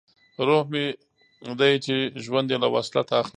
روح مې دی چې ژوند یې له وصلت اخلي